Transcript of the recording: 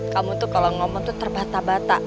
kamu tuh kalau ngomong tuh terbata bata